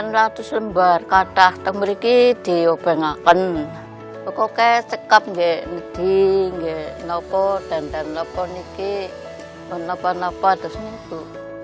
melihat potensi produktivitas yang cukup besar dari kain batik yang khas dengan kain batik